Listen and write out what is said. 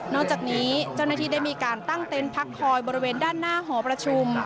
จากนี้เจ้าหน้าที่ได้มีการตั้งเต็นต์พักคอยบริเวณด้านหน้าหอประชุม